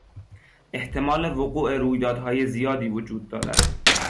احتمال وقوع رویدادهای زیادی وجود دارد.